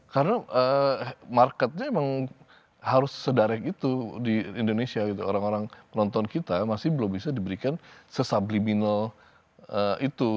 karena marketnya memang harus sederek itu di indonesia orang orang penonton kita masih belum bisa diberikan sesubliminal itu